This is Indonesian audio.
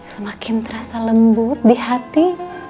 semakin terasa lembut di hati